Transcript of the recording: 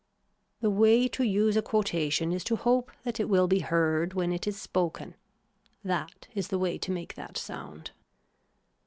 The way to use a quotation is to hope that it will be heard when it is spoken. That is the way to make that sound.